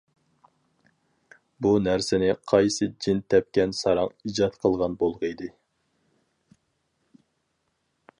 بۇ نەرسىنى قايسى جىن تەپكەن ساراڭ ئىجاد قىلغان بولغىيدى؟ !